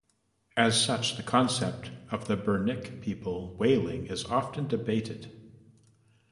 As such, the concept of the Birnirk people whaling is often debated.